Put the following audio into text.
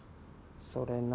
それな。